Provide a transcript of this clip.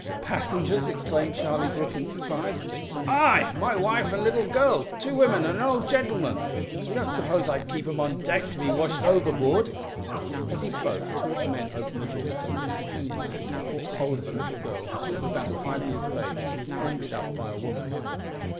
"Passengers?" exclaimed Charlie Brooke in surprise. "Ay my wife an' little gurl, two women and an old gentleman. You don't suppose I'd keep 'em on deck to be washed overboard?" As he spoke two of the men opened the doors of the companion hatch, and caught hold of a little girl of about five years of age, who was handed up by a woman.